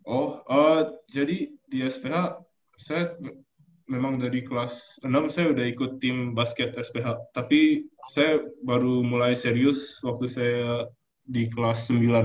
oh jadi di sph saya memang dari kelas enam saya udah ikut tim basket sph tapi saya baru mulai serius waktu saya di kelas sembilan